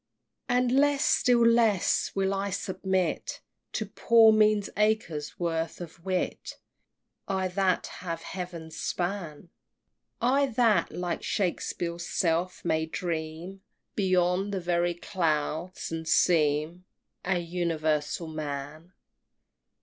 XXX. And less, still less, will I submit To poor mean acres' worth of wit I that have heaven's span I that like Shakspeare's self may dream Beyond the very clouds, and seem An Universal Man!